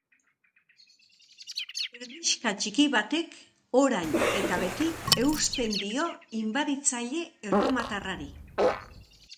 Herrixka txiki batek orain eta beti eusten dio inbaditzaile erromatarrari!